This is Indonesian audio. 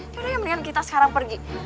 kayaknya mendingan kita sekarang pergi